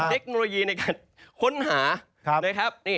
เทคโนโลยีในการค้นหา